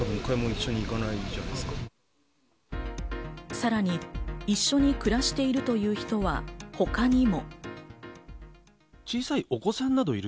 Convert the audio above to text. さらに一緒に暮らしているという人は他にも。